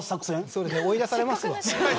それ追い出されますわ。